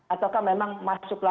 atau memang masuklah